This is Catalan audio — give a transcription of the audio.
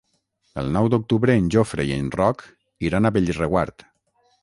El nou d'octubre en Jofre i en Roc iran a Bellreguard.